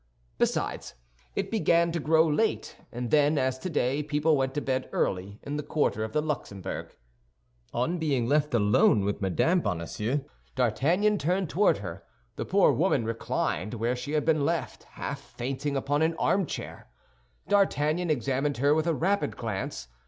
Besides, it began to grow late, and then, as today, people went to bed early in the quarter of the Luxembourg. On being left alone with Mme. Bonacieux, D'Artagnan turned toward her; the poor woman reclined where she had been left, half fainting upon an armchair. D'Artagnan examined her with a rapid glance.